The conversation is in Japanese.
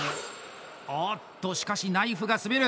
おっと、しかしナイフが滑る！